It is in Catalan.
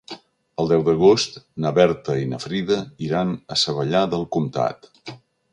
El deu d'agost na Berta i na Frida iran a Savallà del Comtat.